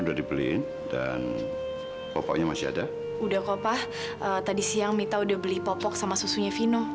sampai jumpa di video selanjutnya